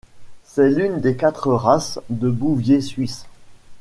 C'est l'une des quatre races de bouvier suisse.